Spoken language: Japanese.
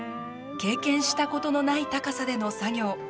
経験したことのない高さでの作業。